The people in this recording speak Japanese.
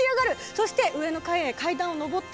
そして上の階へ階段を上っていく。